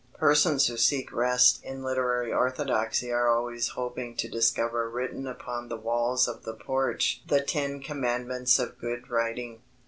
Persons who seek rest in literary orthodoxy are always hoping to discover written upon the walls of the porch the ten commandments of good writing.